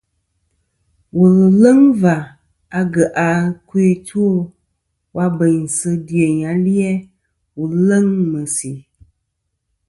Wùl ɨ̀ leŋ và agyèʼ ɨkœ ɨ two wa bèynsɨ dyèyn ali-a wù leŋ ɨ̀ mèsì.